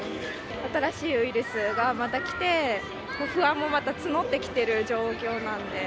新しいウイルスがまた来て、不安もまた募ってきている状況なんで。